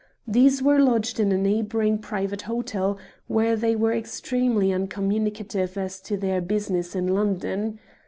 These were lodged in a neighbouring private hotel, where they were extremely uncommunicative as to their business in London.